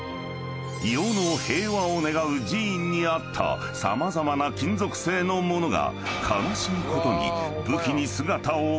［世の平和を願う寺院にあった様々な金属製の物が悲しいことに］